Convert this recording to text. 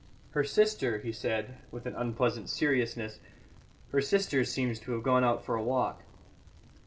"Her sister," he said, with an unpleasant seriousness, "her sister seems to have gone out for a walk."